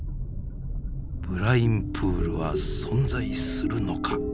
ブラインプールは存在するのか。